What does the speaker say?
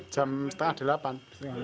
jam setengah delapan